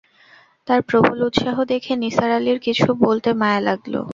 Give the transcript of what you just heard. তার প্রবল উৎসাহ দেখে নিসার আলির কিছু বলতে মায়া লাগল!